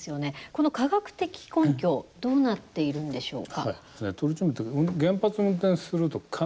この科学的根拠どうなっているんでしょうか。